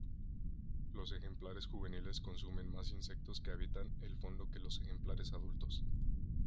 Los ejemplares juveniles consumen más insectos que habitan el fondo que los ejemplares adultos.